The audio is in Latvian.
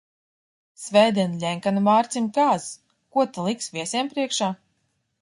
Svētdien Ļenkanu Mārcim kāzas, ko ta liks viesiem priekšā?